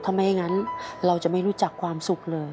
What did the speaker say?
ถ้าไม่อย่างนั้นเราจะไม่รู้จักความสุขเลย